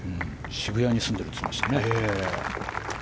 渋谷に住んでいるって言ってましたね。